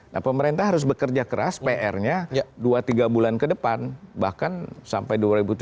nah pemerintah harus bekerja keras pr nya dua tiga bulan ke depan bahkan sampai dua ribu tujuh belas